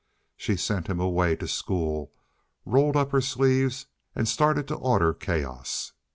She sent him away to school, rolled up her sleeves and started to order chaos.